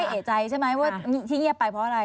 ไม่เอ๋ใจใช่ไหมที่เงียบไปเพราะอะไร